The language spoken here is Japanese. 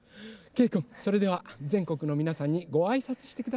けいくんそれではぜんこくのみなさんにごあいさつしてください。